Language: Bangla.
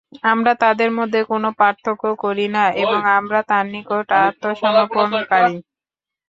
আমরা তাদের মধ্যে কোন পার্থক্য করি না এবং আমরা তাঁর নিকট আত্মসমর্পণকারী।